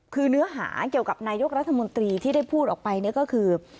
คือเนื้อหาเกี่ยวกับนายกรัฐมนตรีที่ได้พูดออกไปเนี่ยก็คือ